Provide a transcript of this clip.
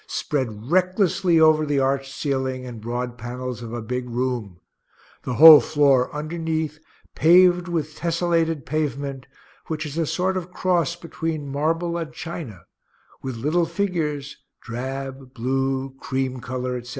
spread recklessly over the arched ceiling and broad panels of a big room the whole floor underneath paved with tesselated pavement, which is a sort of cross between marble and china, with little figures, drab, blue, cream color, etc.)